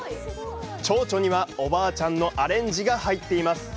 ちょうちょにはおばあちゃんのアレンジが入っています！